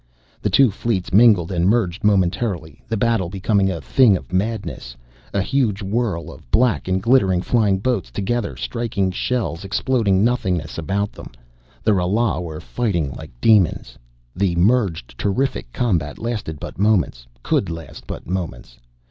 The two fleets mingled and merged momentarily, the battle becoming a thing of madness, a huge whirl of black and glittering flying boats together, striking shells exploding nothingness about them. The Ralas were fighting like demons. The merged, terrific combat lasted but moments; could last but moments.